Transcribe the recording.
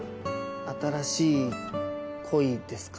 新しい恋ですか。